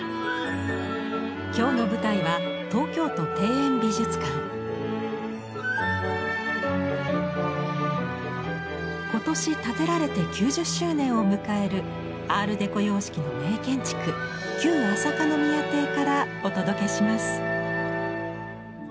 今日の舞台は今年建てられて９０周年を迎えるアール・デコ様式の名建築旧朝香宮邸からお届けします。